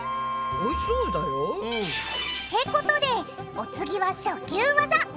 おいしそうだよ。ってことでお次は初級ワザ。